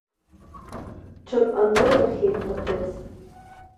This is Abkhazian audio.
Ҽак анылахьеит абӷьыц.